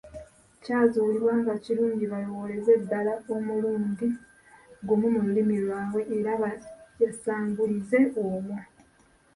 Kyazuulibwa nga kirungi balowooleze ddala omulundi gumu mu lulimi lwabwe era baayasangulize omwo.